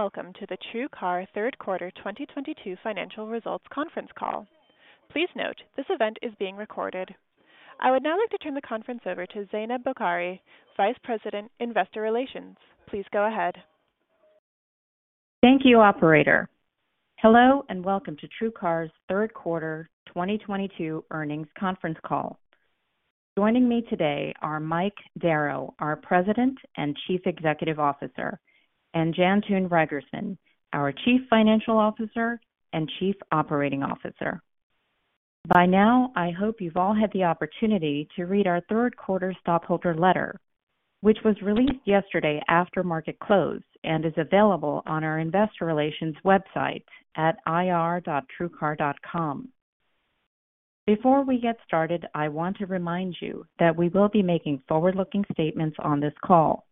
Hello and welcome to the TrueCar third quarter 2022 financial results conference call. Please note, this event is being recorded. I would now like to turn the conference over to Zaineb Bokhari, Vice President, Investor Relations. Please go ahead. Thank you, operator. Hello and welcome to TrueCar's third quarter 2022 earnings conference call. Joining me today are Mike Darrow, our President and Chief Executive Officer, and Jantoon Reigersman, our Chief Financial Officer and Chief Operating Officer. By now, I hope you've all had the opportunity to read our third quarter stockholder letter, which was released yesterday after market closed and is available on our investor relations website at ir.truecar.com. Before we get started, I want to remind you that we will be making forward-looking statements on this call.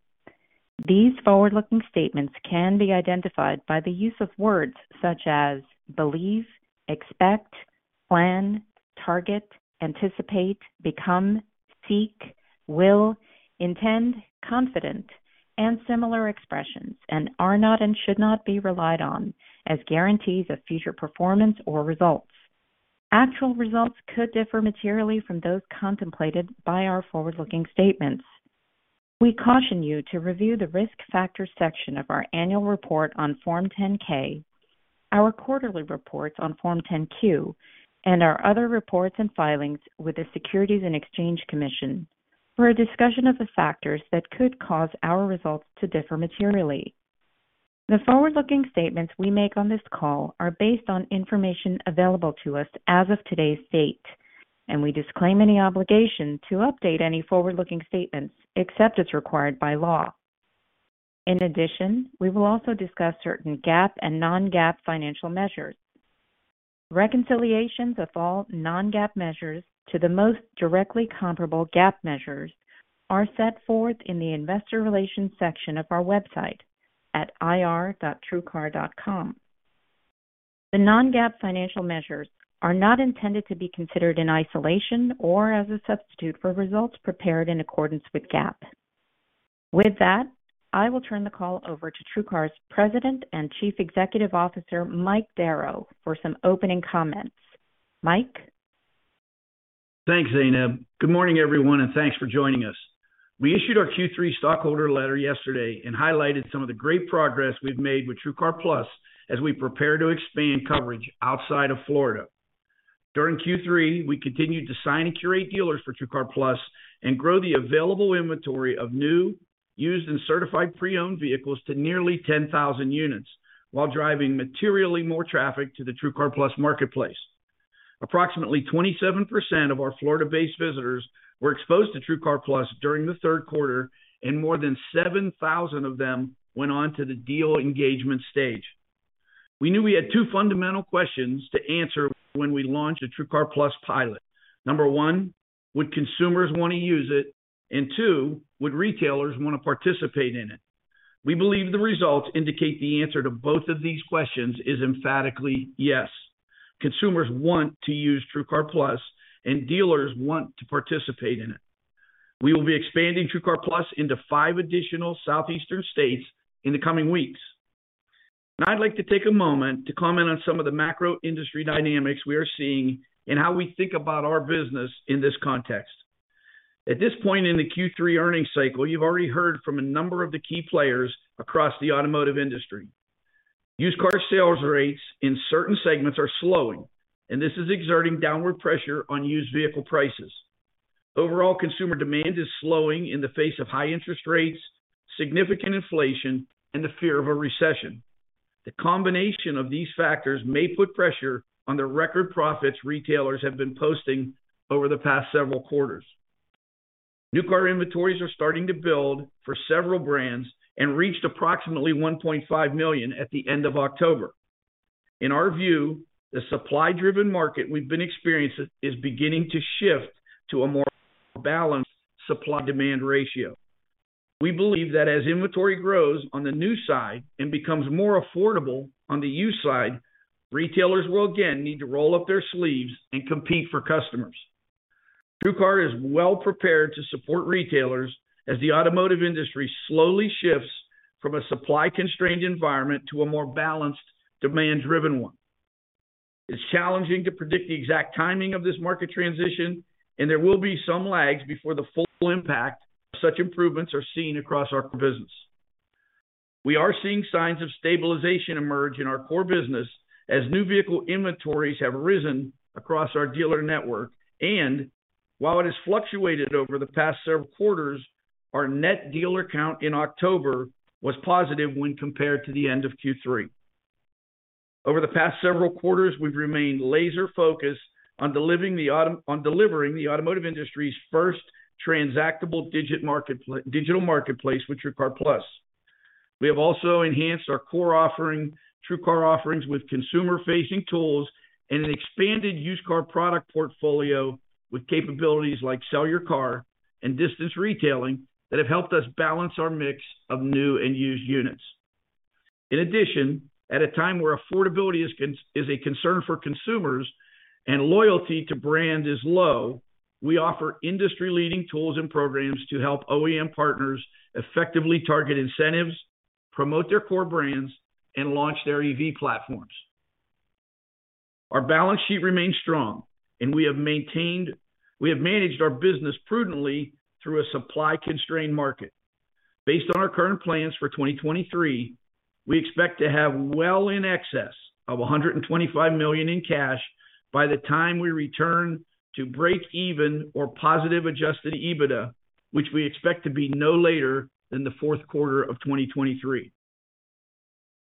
These forward-looking statements can be identified by the use of words such as believe, expect, plan, target, anticipate, become, seek, will, intend, confident, and similar expressions, and are not and should not be relied on as guarantees of future performance or results. Actual results could differ materially from those contemplated by our forward-looking statements. We caution you to review the Risk Factors section of our annual report on Form 10-K, our quarterly reports on Form 10-Q, and our other reports and filings with the Securities and Exchange Commission for a discussion of the factors that could cause our results to differ materially. The forward-looking statements we make on this call are based on information available to us as of today's date, and we disclaim any obligation to update any forward-looking statements except as required by law. In addition, we will also discuss certain GAAP and non-GAAP financial measures. Reconciliations of all non-GAAP measures to the most directly comparable GAAP measures are set forth in the Investor Relations section of our website at ir.truecar.com. The non-GAAP financial measures are not intended to be considered in isolation or as a substitute for results prepared in accordance with GAAP. With that, I will turn the call over to TrueCar's President and Chief Executive Officer, Mike Darrow, for some opening comments. Mike? Thanks, Zaineb. Good morning, everyone, and thanks for joining us. We issued our Q3 stockholder letter yesterday and highlighted some of the great progress we've made with TrueCar+ as we prepare to expand coverage outside of Florida. During Q3, we continued to sign and curate dealers for TrueCar+ and grow the available inventory of new, used, and certified pre-owned vehicles to nearly 10,000 units, while driving materially more traffic to the TrueCar+ marketplace. Approximately 27% of our Florida-based visitors were exposed to TrueCar+ during the third quarter, and more than 7,000 of them went on to the deal engagement stage. We knew we had two fundamental questions to answer when we launched the TrueCar+ pilot. Number one, would consumers want to use it? And two, would retailers want to participate in it? We believe the results indicate the answer to both of these questions is emphatically yes. Consumers want to use TrueCar+, and dealers want to participate in it. We will be expanding TrueCar+ into five additional southeastern states in the coming weeks. Now, I'd like to take a moment to comment on some of the macro industry dynamics we are seeing and how we think about our business in this context. At this point in the Q3 earnings cycle, you've already heard from a number of the key players across the automotive industry. Used car sales rates in certain segments are slowing, and this is exerting downward pressure on used vehicle prices. Overall consumer demand is slowing in the face of high interest rates, significant inflation, and the fear of a recession. The combination of these factors may put pressure on the record profits retailers have been posting over the past several quarters. New car inventories are starting to build for several brands and reached approximately 1.5 million at the end of October. In our view, the supply-driven market we've been experiencing is beginning to shift to a more balanced supply-demand ratio. We believe that as inventory grows on the new side and becomes more affordable on the used side, retailers will again need to roll up their sleeves and compete for customers. TrueCar is well prepared to support retailers as the automotive industry slowly shifts from a supply-constrained environment to a more balanced demand-driven one. It's challenging to predict the exact timing of this market transition, and there will be some lags before the full impact of such improvements are seen across our business. We are seeing signs of stabilization emerge in our core business as new vehicle inventories have risen across our dealer network. While it has fluctuated over the past several quarters, our net dealer count in October was positive when compared to the end of Q3. Over the past several quarters, we've remained laser-focused on delivering the automotive industry's first transactable digital marketplace with TrueCar+. We have also enhanced our core offering, TrueCar offerings with consumer-facing tools and an expanded used car product portfolio with capabilities like Sell Your Car and Distance Retailing that have helped us balance our mix of new and used units. In addition, at a time where affordability is a concern for consumers and loyalty to brand is low. We offer industry-leading tools and programs to help OEM partners effectively target incentives, promote their core brands, and launch their EV platforms. Our balance sheet remains strong, and we have managed our business prudently through a supply-constrained market. Based on our current plans for 2023, we expect to have well in excess of $125 million in cash by the time we return to breakeven or positive adjusted EBITDA, which we expect to be no later than the fourth quarter of 2023.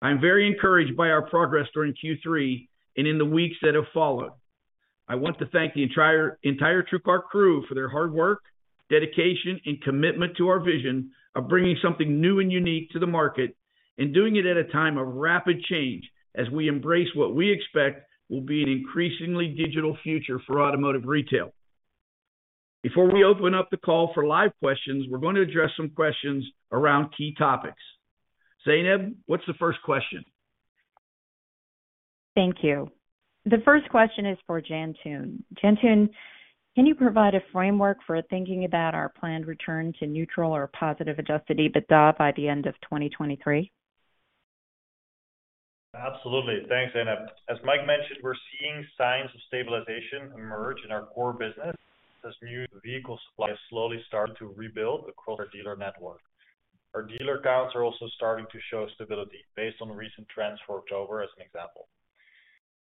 I'm very encouraged by our progress during Q3 and in the weeks that have followed. I want to thank the entire TrueCar crew for their hard work, dedication, and commitment to our vision of bringing something new and unique to the market and doing it at a time of rapid change as we embrace what we expect will be an increasingly digital future for automotive retail. Before we open up the call for live questions, we're going to address some questions around key topics. Zaineb, what's the first question? Thank you. The first question is for Jantoon. Jantoon, can you provide a framework for thinking about our planned return to neutral or positive adjusted EBITDA by the end of 2023? Absolutely. Thanks, Zaineb. As Mike mentioned, we're seeing signs of stabilization emerge in our core business as new vehicle supply is slowly starting to rebuild across our dealer network. Our dealer counts are also starting to show stability based on recent trends for October, as an example.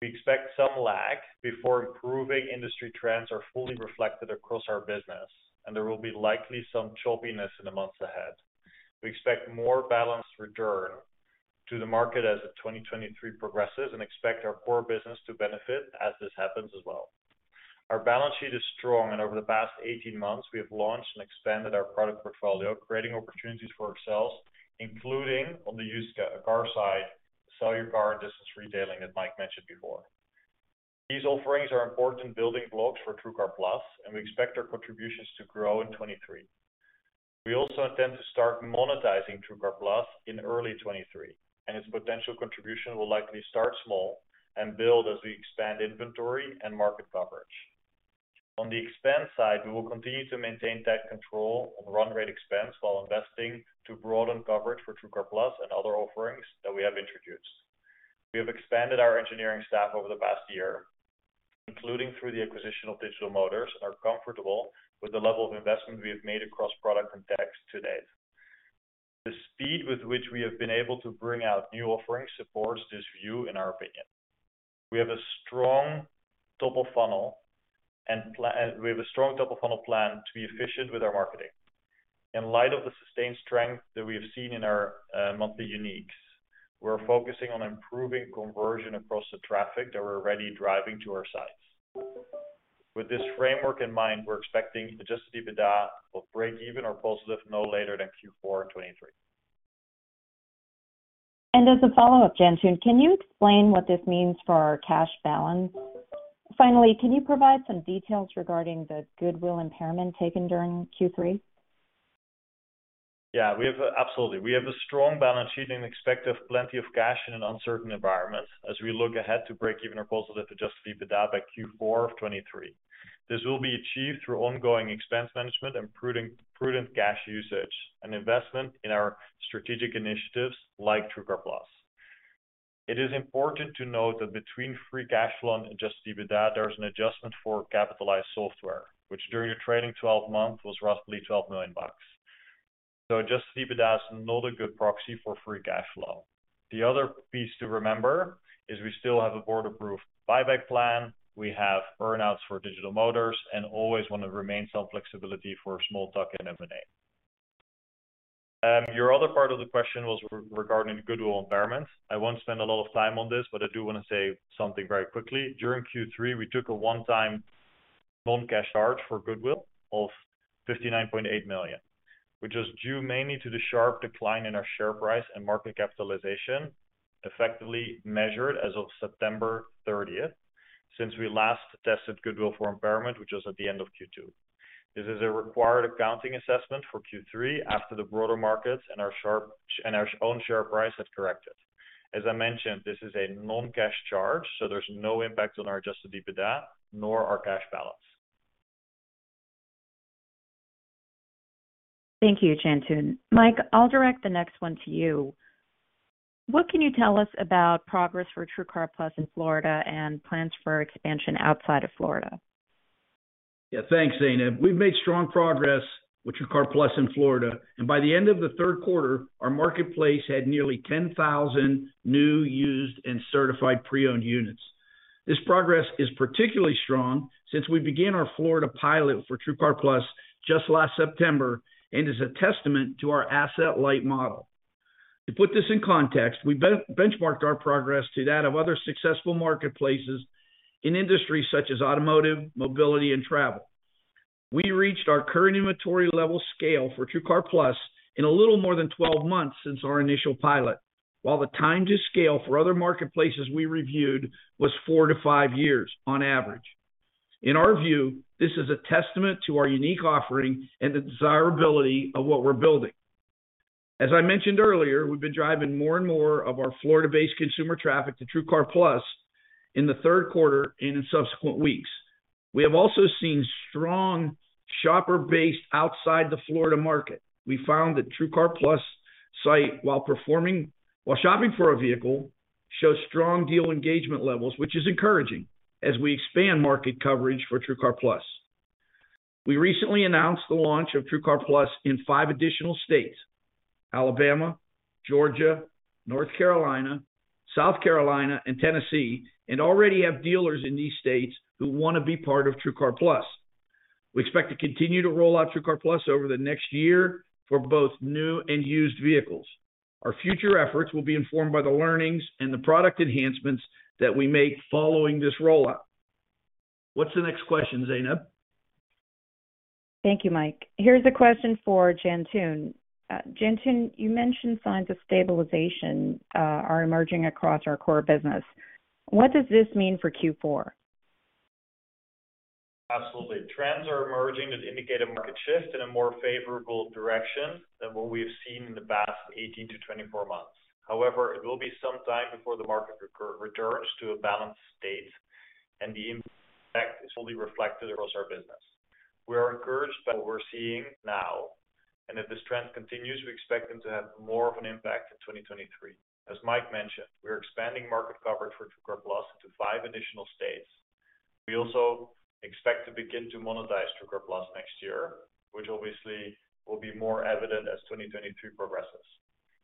We expect some lag before improving industry trends are fully reflected across our business, and there will be likely some choppiness in the months ahead. We expect more balanced return to the market as the 2023 progresses, and expect our core business to benefit as this happens as well. Our balance sheet is strong, and over the past 18 months we have launched and expanded our product portfolio, creating opportunities for ourselves, including on the used car side, Sell Your Car and Distance Retailing that Mike mentioned before. These offerings are important building blocks for TrueCar+, and we expect our contributions to grow in 2023. We also intend to start monetizing TrueCar+ in early 2023, and its potential contribution will likely start small and build as we expand inventory and market coverage. On the expense side, we will continue to maintain that control on run rate expense while investing to broaden coverage for TrueCar+ and other offerings that we have introduced. We have expanded our engineering staff over the past year, including through the acquisition of Digital Motors, and are comfortable with the level of investment we have made across product and tech to date. The speed with which we have been able to bring out new offerings supports this view, in our opinion. We have a strong top of funnel plan to be efficient with our marketing. In light of the sustained strength that we have seen in our monthly uniques, we're focusing on improving conversion across the traffic that we're already driving to our sites. With this framework in mind, we're expecting adjusted EBITDA will break even or positive no later than Q4 2023. As a follow-up, Jantoon, can you explain what this means for our cash balance? Finally, can you provide some details regarding the goodwill impairment taken during Q3? Absolutely. We have a strong balance sheet and expect to have plenty of cash in an uncertain environment as we look ahead to breakeven or positive adjusted EBITDA by Q4 of 2023. This will be achieved through ongoing expense management and prudent cash usage and investment in our strategic initiatives like TrueCar+. It is important to note that between free cash flow and adjusted EBITDA, there is an adjustment for capitalized software, which during a trailing twelve months was roughly $12 million. So adjusted EBITDA is not a good proxy for free cash flow. The other piece to remember is we still have a board-approved buyback plan. We have earn-outs for Digital Motors and always wanna remain some flexibility for small tuck-in M&A. Your other part of the question was regarding goodwill impairments. I won't spend a lot of time on this, but I do wanna say something very quickly. During Q3, we took a one-time non-cash charge for goodwill of $59.8 million, which was due mainly to the sharp decline in our share price and market capitalization, effectively measured as of September 30th since we last tested goodwill for impairment, which was at the end of Q2. This is a required accounting assessment for Q3 after the broader markets and our own share price had corrected. As I mentioned, this is a non-cash charge, so there's no impact on our adjusted EBITDA nor our cash balance. Thank you, Jantoon. Mike, I'll direct the next one to you. What can you tell us about progress for TrueCar+ in Florida and plans for expansion outside of Florida? Yeah. Thanks, Zaineb. We've made strong progress with TrueCar+ in Florida, and by the end of the third quarter, our marketplace had nearly 10,000 new, used, and certified pre-owned units. This progress is particularly strong since we began our Florida pilot for TrueCar+ just last September and is a testament to our asset-light model. To put this in context, we benchmarked our progress to that of other successful marketplaces in industries such as automotive, mobility, and travel. We reached our current inventory level scale for TrueCar+ in a little more than 12 months since our initial pilot, while the time to scale for other marketplaces we reviewed was 4-5 years on average. In our view, this is a testament to our unique offering and the desirability of what we're building. As I mentioned earlier, we've been driving more and more of our Florida-based consumer traffic to TrueCar+ in the third quarter and in subsequent weeks. We have also seen strong shopper base outside the Florida market. We found that TrueCar+ site, while shopping for a vehicle, shows strong deal engagement levels, which is encouraging as we expand market coverage for TrueCar+. We recently announced the launch of TrueCar+ in five additional states, Alabama, Georgia, North Carolina, South Carolina, and Tennessee, and already have dealers in these states who want to be part of TrueCar+. We expect to continue to roll out TrueCar+ over the next year for both new and used vehicles. Our future efforts will be informed by the learnings and the product enhancements that we make following this rollout. What's the next question, Zaineb? Thank you, Mike. Here's a question for Jantoon. Jantoon, you mentioned signs of stabilization, are emerging across our core business. What does this mean for Q4? Absolutely. Trends are emerging that indicate a market shift in a more favorable direction than what we have seen in the past 18-24 months. However, it will be some time before the market returns to a balanced state, and the impact is fully reflected across our business. We are encouraged by what we're seeing now, and if this trend continues, we expect them to have more of an impact in 2023. As Mike mentioned, we are expanding market coverage for TrueCar+ to five additional states. We also expect to begin to monetize TrueCar+ next year, which obviously will be more evident as 2023 progresses.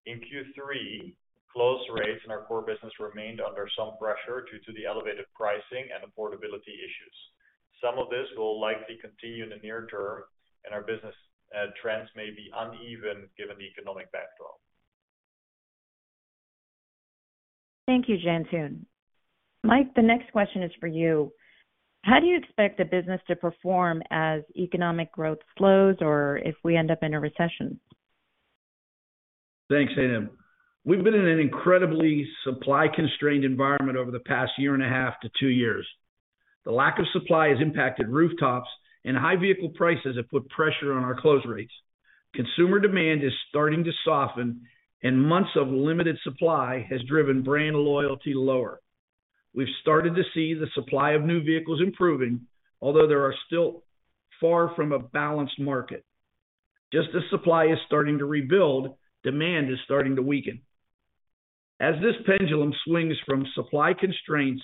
In Q3, close rates in our core business remained under some pressure due to the elevated pricing and affordability issues. Some of this will likely continue in the near term and our business trends may be uneven given the economic backdrop. Thank you, Jantoon. Mike, the next question is for you. How do you expect the business to perform as economic growth slows or if we end up in a recession? Thanks, Zaineb. We've been in an incredibly supply-constrained environment over the past year and a half to two years. The lack of supply has impacted rooftops, and high vehicle prices have put pressure on our close rates. Consumer demand is starting to soften, and months of limited supply has driven brand loyalty lower. We've started to see the supply of new vehicles improving, although there are still far from a balanced market. Just as supply is starting to rebuild, demand is starting to weaken. As this pendulum swings from supply constraints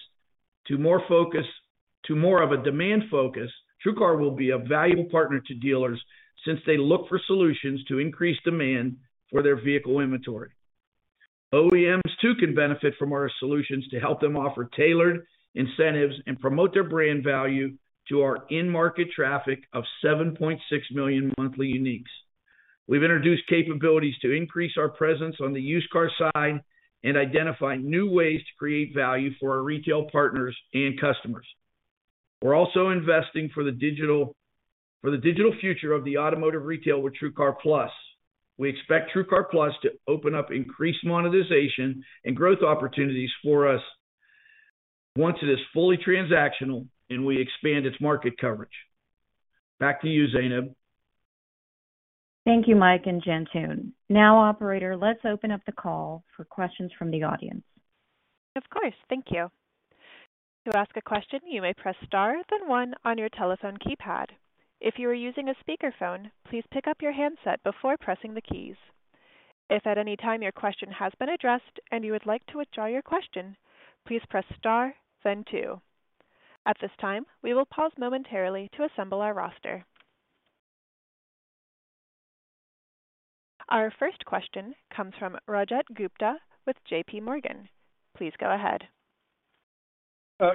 to more of a demand focus, TrueCar will be a valuable partner to dealers since they look for solutions to increase demand for their vehicle inventory. OEMs, too, can benefit from our solutions to help them offer tailored incentives and promote their brand value to our in-market traffic of 7.6 million monthly uniques. We've introduced capabilities to increase our presence on the used car side and identify new ways to create value for our retail partners and customers. We're also investing for the digital future of the automotive retail with TrueCar+. We expect TrueCar+ to open up increased monetization and growth opportunities for us once it is fully transactional and we expand its market coverage. Back to you, Zaineb. Thank you, Mike and Jantoon. Now, operator, let's open up the call for questions from the audience. Of course. Thank you. To ask a question, you may press star, then one on your telephone keypad. If you are using a speakerphone, please pick up your handset before pressing the keys. If at any time your question has been addressed and you would like to withdraw your question, please press star, then two. At this time, we will pause momentarily to assemble our roster. Our first question comes from Rajat Gupta with JP Morgan. Please go ahead.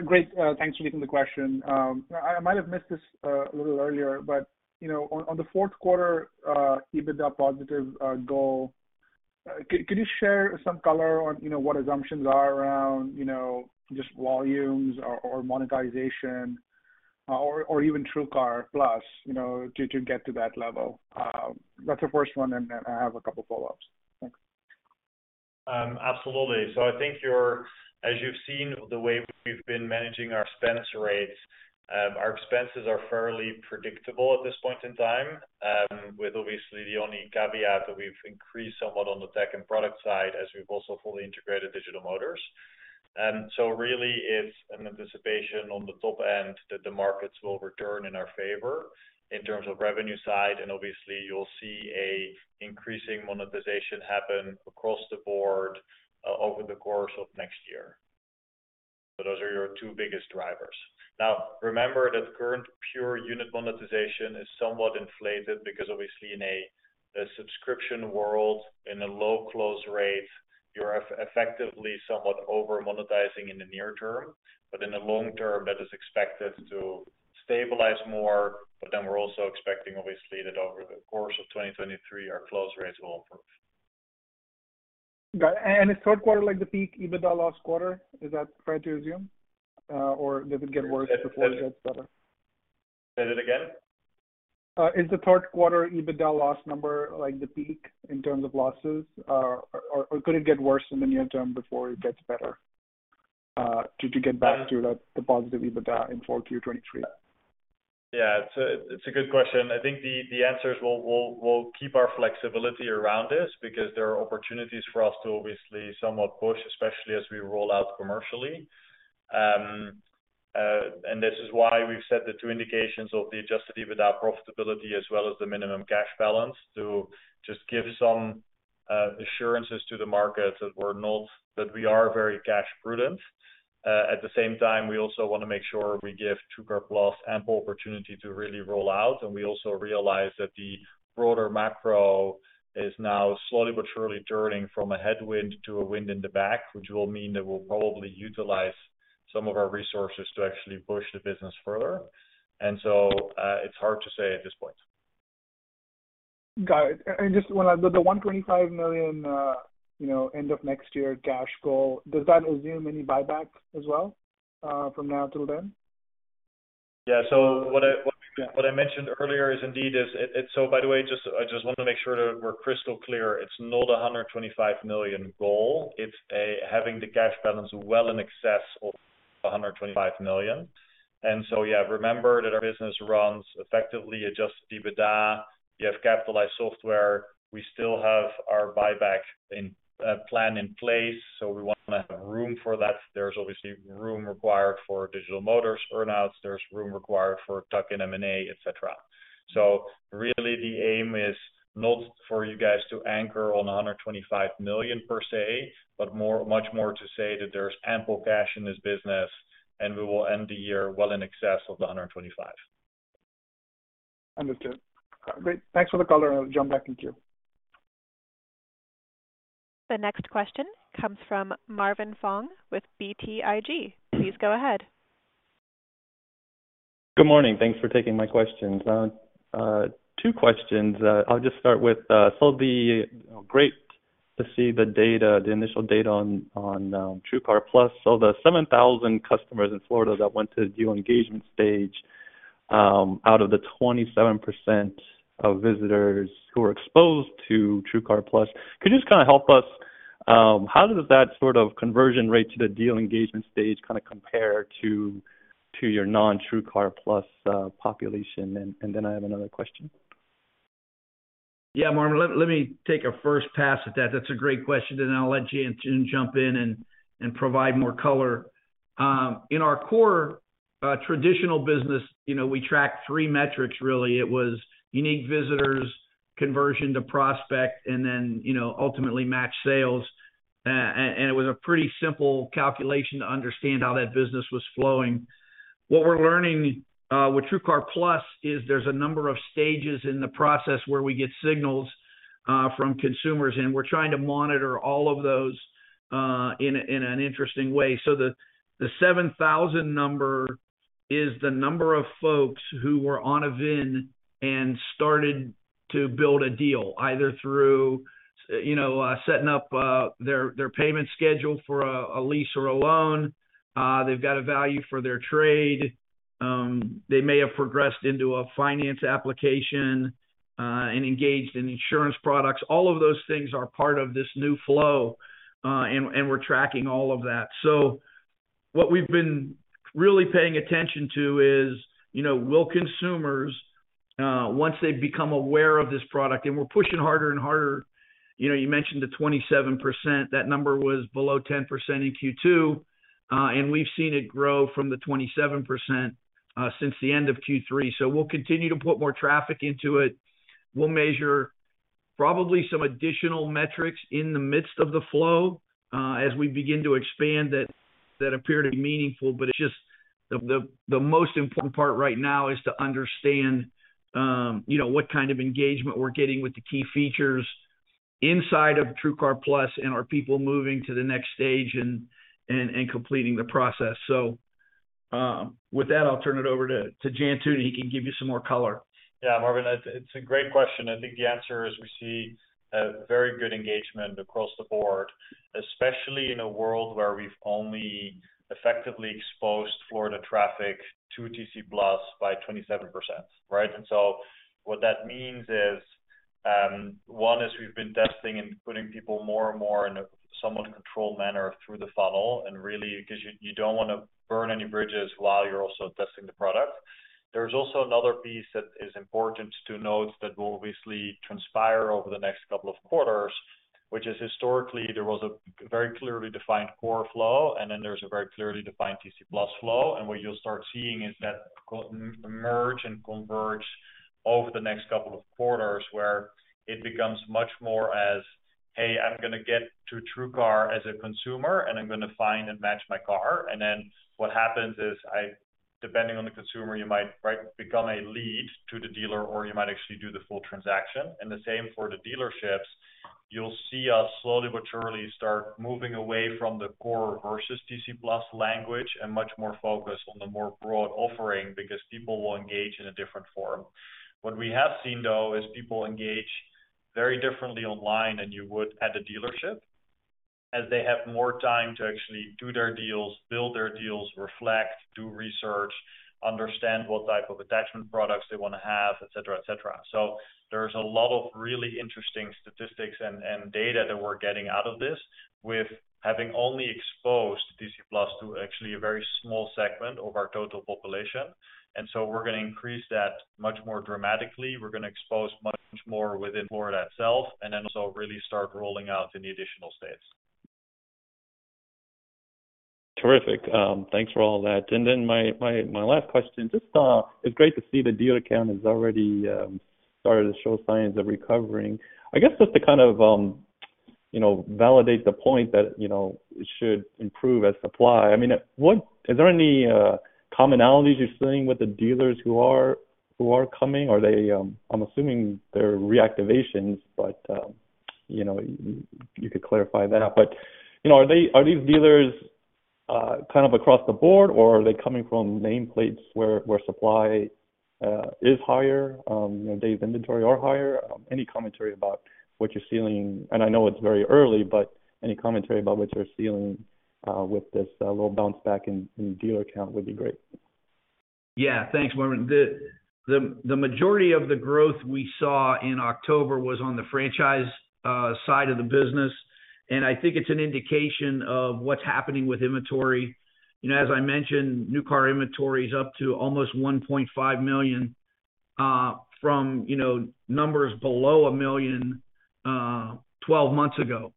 Great. Thanks for taking the question. I might have missed this a little earlier, but you know, on the fourth quarter EBITDA positive goal, could you share some color on you know what assumptions are around you know just volumes or monetization or even TrueCar+ you know to get to that level? That's the first one, and then I have a couple follow-ups. Thanks. Absolutely. I think, as you've seen the way we've been managing our expense rates, our expenses are fairly predictable at this point in time, with obviously the only caveat that we've increased somewhat on the tech and product side as we've also fully integrated Digital Motors. Really it's an anticipation on the top end that the markets will return in our favor in terms of revenue side, and obviously you'll see an increasing monetization happen across the board, over the course of next year. Those are your two biggest drivers. Now, remember that current pure unit monetization is somewhat inflated because obviously in a subscription world, in a low close rate, you're effectively somewhat over-monetizing in the near term. In the long term, that is expected to stabilize more, but then we're also expecting obviously that over the course of 2023, our close rates will improve. Got it. Is third quarter like the peak EBITDA loss quarter? Is that fair to assume, or does it get worse before it gets better? Say that again? Is the third quarter EBITDA loss number like the peak in terms of losses, or could it get worse in the near term before it gets better? To get back to the positive EBITDA in full Q23. Yeah. It's a good question. I think the answer is we'll keep our flexibility around this because there are opportunities for us to obviously somewhat push, especially as we roll out commercially. This is why we've set the two indications of the adjusted EBITDA profitability as well as the minimum cash balance to just give some assurances to the market that we are very cash prudent. At the same time, we also wanna make sure we give TrueCar+ ample opportunity to really roll out. We also realize that the broader macro is now slowly but surely turning from a headwind to a wind in the back, which will mean that we'll probably utilize some of our resources to actually push the business further. It's hard to say at this point. Got it. The $125 million, you know, end of next year cash goal, does that assume any buybacks as well, from now till then? Yeah. What I mentioned earlier is indeed it. By the way, I want to make sure that we're crystal clear. It's not a $125 million goal. It's having the cash balance well in excess of $125 million. Remember that our business runs effectively adjusted EBITDA. We have capitalized software. We still have our buyback plan in place, so we wanna have room for that. There's obviously room required for Digital Motors earn-outs. There's room required for tuck-in M&A, et cetera. Really the aim is not for you guys to anchor on $125 million per se, but more, much more to say that there's ample cash in this business, and we will end the year well in excess of $125 million. Understood. Great. Thanks for the color. I'll jump back in queue. The next question comes from Marvin Fong with BTIG. Please go ahead. Good morning. Thanks for taking my questions. Two questions. I'll just start with, you know, great to see the data, the initial data on TrueCar+. The 7,000 customers in Florida that went to deal engagement stage, out of the 27% of visitors who were exposed to TrueCar+, could you just kinda help us, how does that sort of conversion rate to the deal engagement stage kinda compare to your non-TrueCar+ population? Then I have another question. Yeah, Marvin, let me take a first pass at that. That's a great question, and then I'll let Jantoon jump in and provide more color. In our core traditional business, you know, we track three metrics really. It was unique visitors, conversion to prospect, and then, you know, ultimately match sales. It was a pretty simple calculation to understand how that business was flowing. What we're learning with TrueCar+ is there's a number of stages in the process where we get signals from consumers, and we're trying to monitor all of those in an interesting way. The 7,000 number is the number of folks who were on a VIN and started to build a deal, either through you know setting up their payment schedule for a lease or a loan. They've got a value for their trade. They may have progressed into a finance application, and engaged in insurance products. All of those things are part of this new flow, and we're tracking all of that. What we've been really paying attention to is, you know, will consumers, once they become aware of this product, and we're pushing harder and harder. You know, you mentioned the 27%. That number was below 10% in Q2, and we've seen it grow from the 27%, since the end of Q3. We'll continue to put more traffic into it. We'll measure probably some additional metrics in the midst of the flow, as we begin to expand that that appear to be meaningful. It's just the most important part right now is to understand, you know, what kind of engagement we're getting with the key features inside of TrueCar+ and are people moving to the next stage and completing the process. With that, I'll turn it over to Jantoon. He can give you some more color. Yeah. Marvin, it's a great question. I think the answer is we see a very good engagement across the board, especially in a world where we've only effectively exposed Florida traffic to TC Plus by 27%, right? What that means is, one, is we've been testing and putting people more and more in a somewhat controlled manner through the funnel, and really because you don't wanna burn any bridges while you're also testing the product. There's also another piece that is important to note that will obviously transpire over the next couple of quarters, which is historically there was a very clearly defined core flow, and then there was a very clearly defined TC Plus flow. What you'll start seeing is that merge and converge over the next couple of quarters where it becomes much more as, "Hey, I'm gonna get to TrueCar as a consumer, and I'm gonna find and match my car." Then what happens is depending on the consumer, you might, right, become a lead to the dealer, or you might actually do the full transaction. The same for the dealerships. You'll see us slowly but surely start moving away from the core versus TC Plus language and much more focused on the more broad offering because people will engage in a different form. What we have seen, though, is people engage very differently online than you would at a dealership. As they have more time to actually do their deals, build their deals, reflect, do research, understand what type of attachment products they want to have, et cetera. There's a lot of really interesting statistics and data that we're getting out of this with having only exposed TrueCar+ to actually a very small segment of our total population. We're gonna increase that much more dramatically. We're gonna expose much more within Florida itself and then also really start rolling out in the additional states. Terrific. Thanks for all that. My last question, just, it's great to see the dealer count has already started to show signs of recovering. I guess just to kind of, you know, validate the point that, you know, it should improve as supply. I mean, is there any commonalities you're seeing with the dealers who are coming? Are they? I'm assuming they're reactivations, but, you know, you could clarify that. You know, are they, are these dealers, kind of across the board, or are they coming from nameplates where supply is higher, you know, days inventory are higher? Any commentary about what you're seeing. I know it's very early, but any commentary about what you're seeing with this little bounce back in dealer count would be great. Yeah. Thanks, Marvin. The majority of the growth we saw in October was on the franchise side of the business, and I think it's an indication of what's happening with inventory. You know, as I mentioned, new car inventory is up to almost 1.5 million from, you know, numbers below 1 million 12 months ago.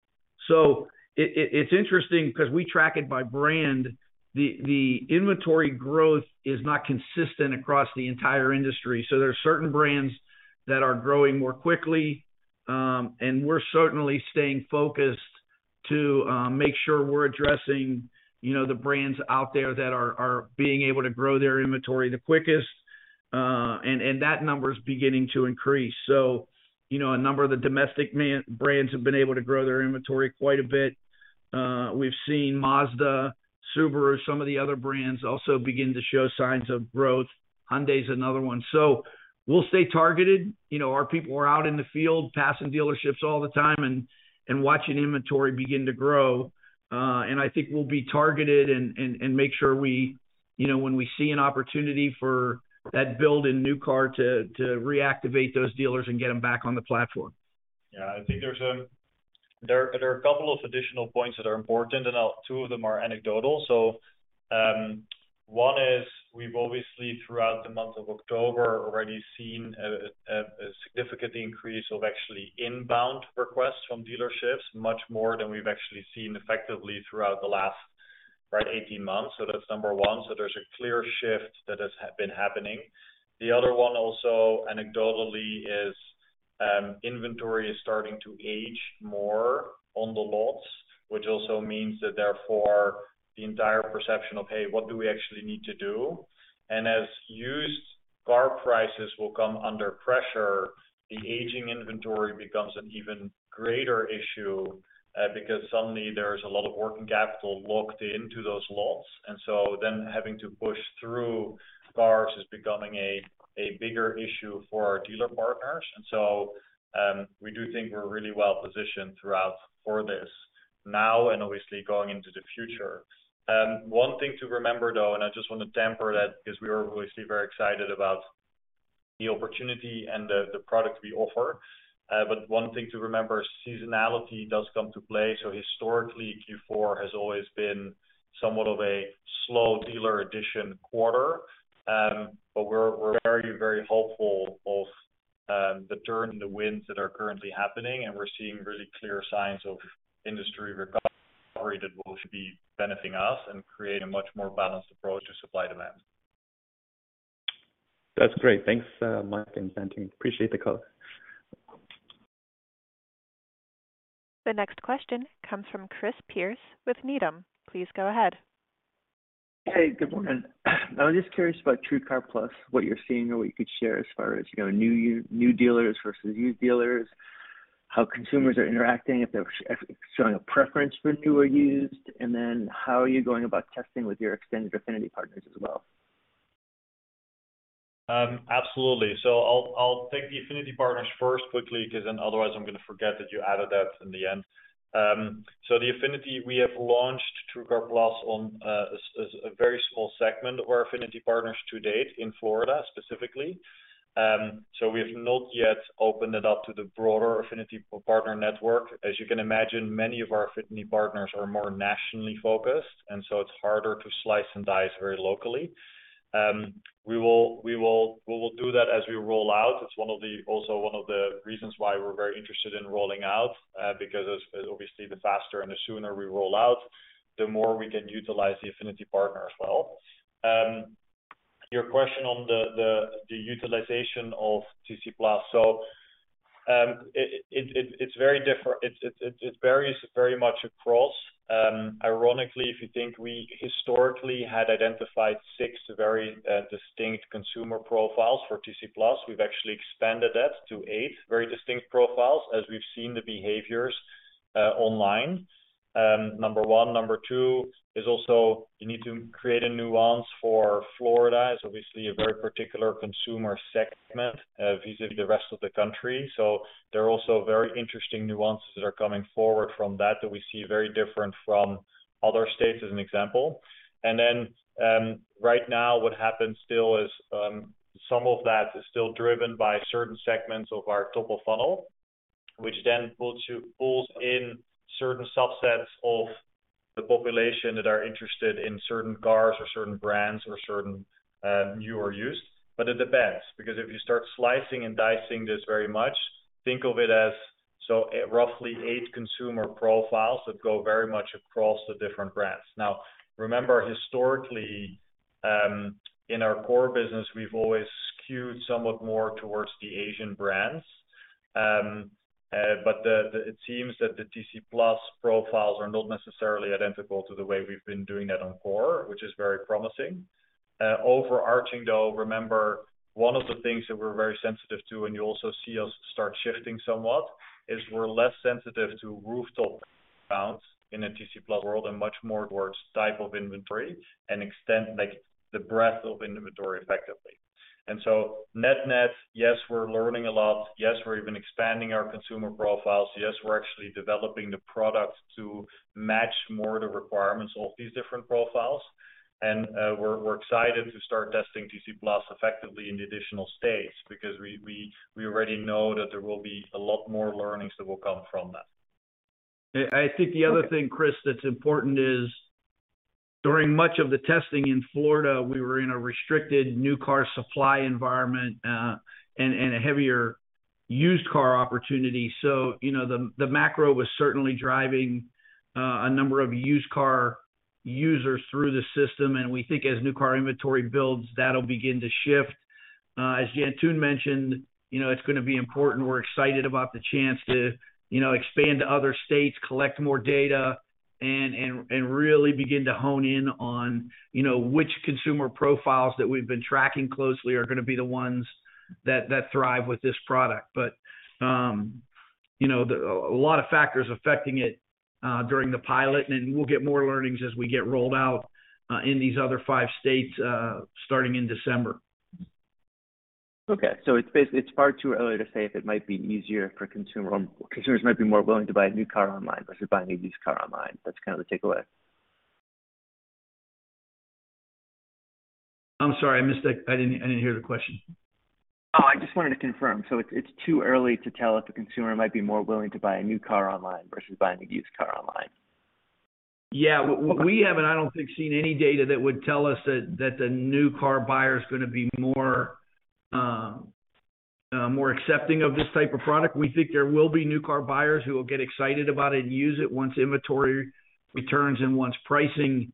It's interesting because we track it by brand. The inventory growth is not consistent across the entire industry. There are certain brands that are growing more quickly, and we're certainly staying focused to make sure we're addressing, you know, the brands out there that are being able to grow their inventory the quickest, and that number is beginning to increase. You know, a number of the domestic brands have been able to grow their inventory quite a bit. We've seen Mazda, Subaru, some of the other brands also begin to show signs of growth. Hyundai is another one. We'll stay targeted. You know, our people are out in the field passing dealerships all the time and watching inventory begin to grow. I think we'll be targeted and make sure we, you know, when we see an opportunity for that build in new car to reactivate those dealers and get them back on the platform. Yeah. I think there are a couple of additional points that are important, and two of them are anecdotal. One is we've obviously throughout the month of October already seen a significant increase of actually inbound requests from dealerships, much more than we've actually seen effectively throughout the last, right, 18 months. That's number one. There's a clear shift that has been happening. The other one also anecdotally is inventory is starting to age more on the lots, which also means that therefore the entire perception of, hey, what do we actually need to do? As used car prices will come under pressure, the aging inventory becomes an even greater issue, because suddenly there's a lot of working capital locked into those lots. Having to push through cars is becoming a bigger issue for our dealer partners. We do think we're really well positioned throughout for this now and obviously going into the future. One thing to remember, though, and I just want to temper that because we are obviously very excited about the opportunity and the product we offer. One thing to remember, seasonality does come to play. Historically, Q4 has always been somewhat of a slow dealer addition quarter. We're very, very hopeful of the turn in the winds that are currently happening, and we're seeing really clear signs of industry recovery that will be benefiting us and create a much more balanced approach to supply and demand. That's great. Thanks, Mike and Jantoon. Appreciate the color. The next question comes from Chris Pierce with Needham. Please go ahead. Hey, good morning. I was just curious about TrueCar+, what you're seeing or what you could share as far as, you know, new dealers versus used dealers, how consumers are interacting, if they're showing a preference for new or used, and then how are you going about testing with your extended affinity partners as well? Absolutely. I'll take the affinity partners first quickly because then otherwise I'm gonna forget that you added that in the end. The affinity we have launched TrueCar+ on a very small segment of our affinity partners to date in Florida specifically. We have not yet opened it up to the broader affinity partner network. As you can imagine, many of our affinity partners are more nationally focused, and so it's harder to slice and dice very locally. We will do that as we roll out. It's also one of the reasons why we're very interested in rolling out because as obviously the faster and the sooner we roll out, the more we can utilize the affinity partner as well. Your question on the utilization of TC Plus. It varies very much across. Ironically, if you think we historically had identified six very distinct consumer profiles for TC Plus, we've actually expanded that to eight very distinct profiles as we've seen the behaviors online. Number one. Number two is also you need to create a nuance for Florida. It's obviously a very particular consumer segment vis-à-vis the rest of the country. There are also very interesting nuances that are coming forward from that that we see very different from other states as an example. Right now what happens still is, some of that is still driven by certain segments of our top of funnel, which then pulls in certain subsets of the population that are interested in certain cars or certain brands or certain new or used. It depends because if you start slicing and dicing this very much, think of it as so roughly eight consumer profiles that go very much across the different brands. Now remember historically, in our core business we've always skewed somewhat more towards the Asian brands. It seems that the TrueCar+ profiles are not necessarily identical to the way we've been doing that on core, which is very promising. Overarching though, remember one of the things that we're very sensitive to and you also see us start shifting somewhat, is we're less sensitive to rooftop bounds in a TC Plus world and much more towards type of inventory and extend like the breadth of inventory effectively. Net-net, yes, we're learning a lot. Yes, we're even expanding our consumer profiles. Yes, we're actually developing the product to match more the requirements of these different profiles. We're excited to start testing TC Plus effectively in the additional states because we already know that there will be a lot more learnings that will come from that. I think the other thing, Chris, that's important is during much of the testing in Florida, we were in a restricted new car supply environment, and a heavier used car opportunity. You know, the macro was certainly driving a number of used car users through the system, and we think as new car inventory builds, that'll begin to shift. As Jantoon mentioned, you know, it's gonna be important. We're excited about the chance to, you know, expand to other states, collect more data and really begin to hone in on, you know, which consumer profiles that we've been tracking closely are gonna be the ones that thrive with this product. But you know, the- a lot of factors affecting it during the pilot, and we'll get more learnings as we get rolled out in these other five states starting in December. It's far too early to say if it might be easier for consumer or consumers might be more willing to buy a new car online versus buying a used car online. That's kind of the takeaway. I'm sorry, I missed that. I didn't hear the question. Oh, I just wanted to confirm. It's too early to tell if a consumer might be more willing to buy a new car online versus buying a used car online. Yeah. We haven't, I don't think, seen any data that would tell us that the new car buyer is gonna be more accepting of this type of product. We think there will be new car buyers who will get excited about it and use it once inventory returns and once pricing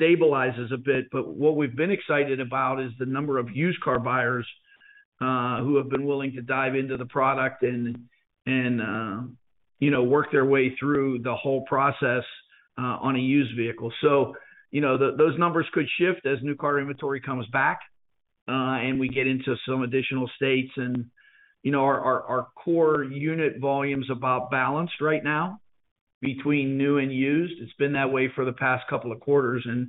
stabilizes a bit. What we've been excited about is the number of used car buyers who have been willing to dive into the product and you know, work their way through the whole process on a used vehicle. You know, those numbers could shift as new car inventory comes back and we get into some additional states and you know, our core unit volume's about balanced right now between new and used. It's been that way for the past couple of quarters and,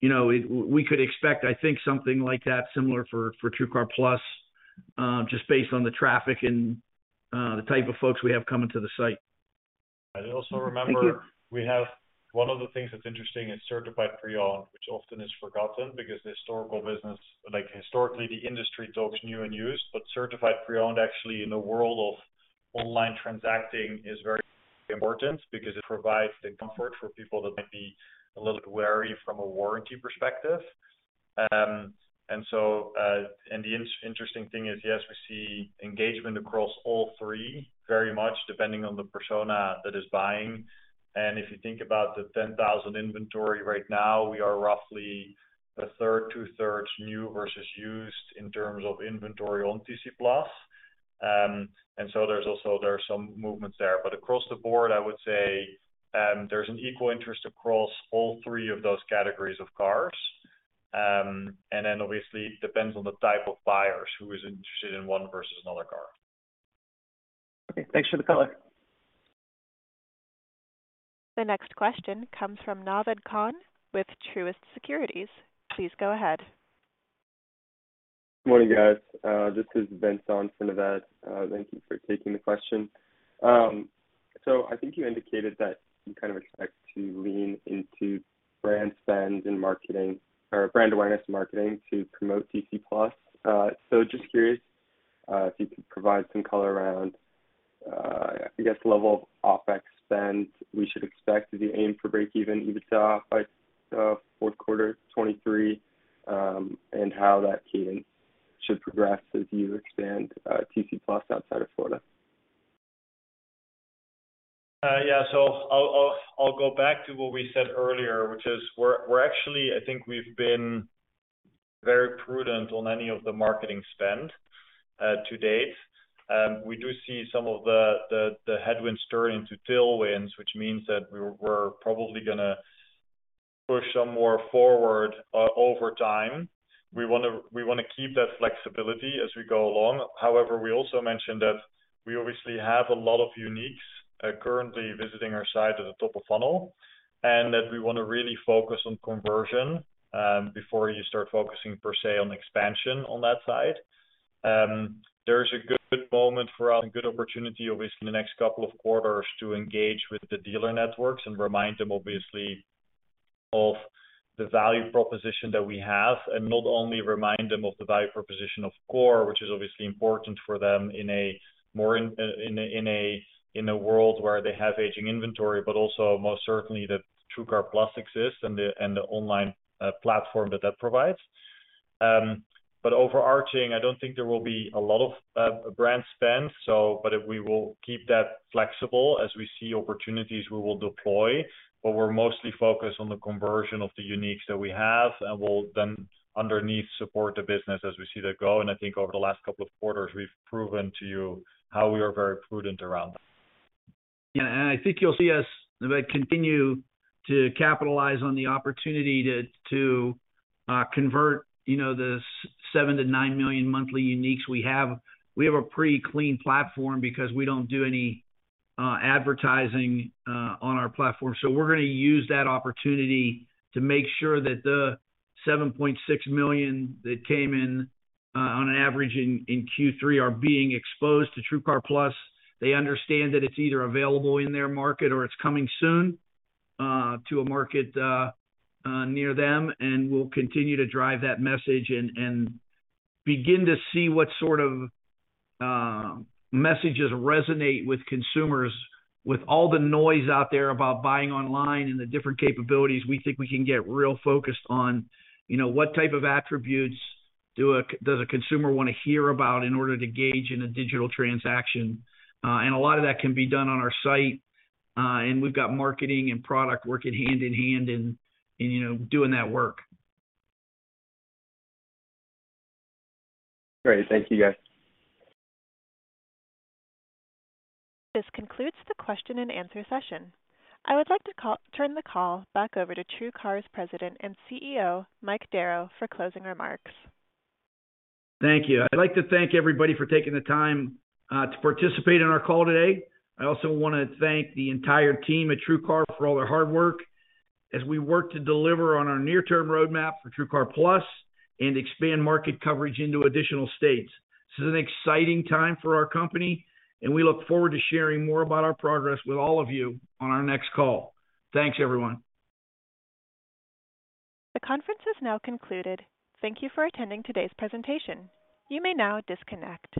you know, we could expect, I think something like that similar for TrueCar+, just based on the traffic and the type of folks we have coming to the site. Also remember. Thank you. We have one of the things that's interesting is certified pre-owned, which often is forgotten because the historical business, like historically, the industry talks new and used, but certified pre-owned actually in the world of online transacting is very important because it provides the comfort for people that might be a little wary from a warranty perspective. Interesting thing is, yes, we see engagement across all three very much depending on the persona that is buying. If you think about the 10,000 inventory right now, we are roughly a third to thirds new versus used in terms of inventory on TrueCar+. There's also, there are some movements there. Across the board, I would say, there's an equal interest across all three of those categories of cars. Obviously it depends on the type of buyers who is interested in one versus another car. Okay. Thanks for the color. The next question comes from Naved Khan with Truist Securities. Please go ahead. Good morning, guys. This is Benson from Naved. Thank you for taking the question. I think you indicated that you kind of expect to lean into brand spend and marketing or brand awareness marketing to promote TrueCar+. Just curious, if you could provide some color around, I guess the level of OpEx spend we should expect as you aim for breakeven EBITDA by fourth quarter 2023, and how that cadence should progress as you expand TrueCar+ outside of Florida. Yeah. I'll go back to what we said earlier, which is we're actually. I think we've been very prudent on any of the marketing spend to date. We do see some of the headwinds turn into tailwinds, which means that we're probably gonna push some more forward over time. We want to keep that flexibility as we go along. However, we also mentioned that we obviously have a lot of uniques currently visiting our site at the top of funnel, and that we want to really focus on conversion before you start focusing per se on expansion on that side. There's a good moment for us, a good opportunity obviously in the next couple of quarters to engage with the dealer networks and remind them obviously of the value proposition that we have. Not only remind them of the value proposition of Core, which is obviously important for them in a more in a world where they have aging inventory, but also most certainly that TrueCar+ exists and the online platform that provides. Overarching, I don't think there will be a lot of brand spend, but we will keep that flexible. As we see opportunities, we will deploy, but we're mostly focused on the conversion of the uniques that we have, and we'll then underneath support the business as we see that go. I think over the last couple of quarters, we've proven to you how we are very prudent around that. Yeah. I think you'll see us continue to capitalize on the opportunity to convert, you know, the 7-9 million monthly uniques we have. We have a pretty clean platform because we don't do any advertising on our platform. We're gonna use that opportunity to make sure that the 7.6 million that came in on average in Q3 are being exposed to TrueCar+. They understand that it's either available in their market or it's coming soon to a market near them, and we'll continue to drive that message and begin to see what sort of messages resonate with consumers. With all the noise out there about buying online and the different capabilities, we think we can get real focused on, you know, what type of attributes does a consumer want to hear about in order to gauge in a digital transaction. A lot of that can be done on our site. We've got marketing and product working hand in hand and, you know, doing that work. Great. Thank you, guys. This concludes the question and answer session. I would like to turn the call back over to TrueCar's President and CEO, Mike Darrow, for closing remarks. Thank you. I'd like to thank everybody for taking the time to participate in our call today. I also wanna thank the entire team at TrueCar for all their hard work as we work to deliver on our near-term roadmap for TrueCar+ and expand market coverage into additional states. This is an exciting time for our company, and we look forward to sharing more about our progress with all of you on our next call. Thanks, everyone. The conference is now concluded. Thank you for attending today's presentation. You may now disconnect.